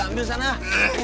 udah ambil sana